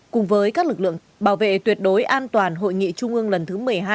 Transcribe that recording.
cùng với các lực lượng bảo vệ tuyệt đối an toàn hội nghị trung ương lần thứ một mươi hai